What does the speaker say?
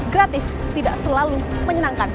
gratis tidak selalu menyenangkan